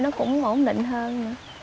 nó cũng ổn định hơn